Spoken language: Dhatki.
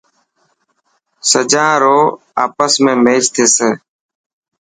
سجان رو آپس ۾ ميچ ٿيسي.